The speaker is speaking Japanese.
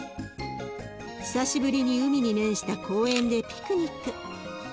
久しぶりに海に面した公園でピクニック。